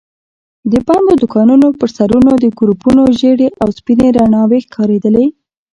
د بندو دوکانونو پر سرونو د ګروپونو ژېړې او سپينې رڼا وي ښکارېدلې.